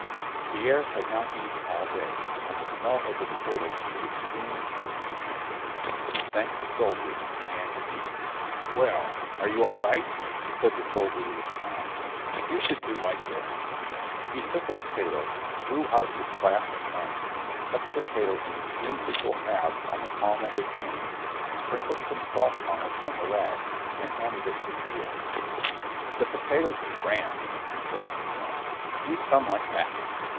Pierre had not eaten all day and the smell of the potatoes seemed extremely pleasant to him. He thanked the soldier and began to eat. "Well, are they all right?" said the soldier with a smile. "You should do like this." He took a potato, drew out his clasp knife, cut the potato into two equal halves on the palm of his hand, sprinkled some salt on it from the rag, and handed it to Pierre. "The potatoes are grand!" he said once more. "Eat some like that!"